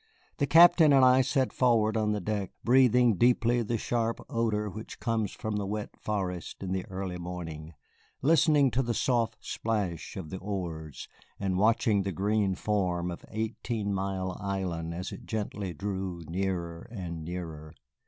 The Captain and I sat forward on the deck, breathing deeply the sharp odor which comes from the wet forest in the early morning, listening to the soft splash of the oars, and watching the green form of Eighteen Mile Island as it gently drew nearer and nearer.